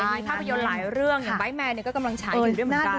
มีภาพยนตร์หลายเรื่องอย่างไบท์แมนก็กำลังฉายอยู่ด้วยเหมือนกัน